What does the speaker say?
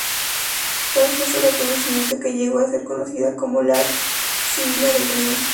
Tal fue su reconocimiento, que llegó a ser conocida como la "Sibila del Rin".